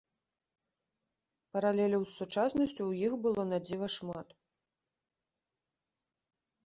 Паралеляў з сучаснасцю ў іх было надзіва шмат.